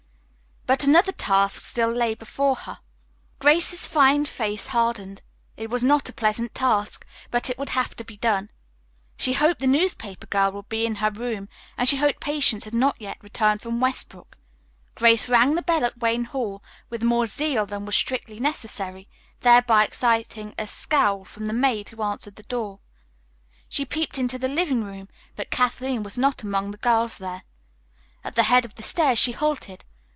But another task still lay before her. Grace's fine face hardened. It was not a pleasant task, but it would have to be done. She hoped the newspaper girl would be in her room, and she hoped Patience had not yet returned from Westbrook. Grace rang the bell at Wayne Hall with more zeal than was strictly necessary, thereby exciting a scowl from the maid who answered the door. She peeped into the living room, but Kathleen was not among the girls there. At the head of the stairs she halted.